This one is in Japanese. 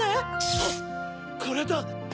あっこれだ！